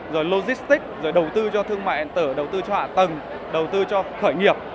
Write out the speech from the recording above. rồi logistics rồi đầu tư cho thương mại điện tử đầu tư cho hạ tầng đầu tư cho khởi nghiệp